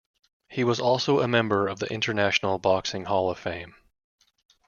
He was also a member of the International Boxing Hall of Fame.